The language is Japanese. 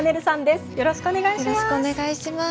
よろしくお願いします。